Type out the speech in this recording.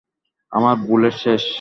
আমার বুলেট শেষ!